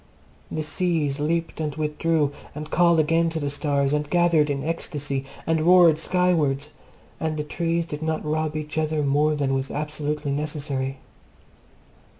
The seas leaped and withdrew, and called again to the stars, and gathered in ecstasy and roared skywards, and the trees did not rob each other more than was absolutely necessary.